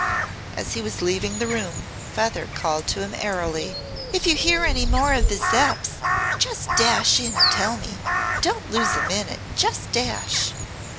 As he was leaving the room, Feather called to him airily: "If you hear any more of the Zepps just dash in and tell me! Don't lose a minute! Just dash!"